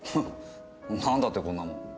何だってこんなもん？